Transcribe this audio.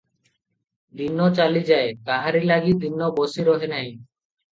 ଦିନ ଚାଲିଯାଏ, କାହାରି ଲାଗି ଦିନ ବସି ରହେ ନାହିଁ।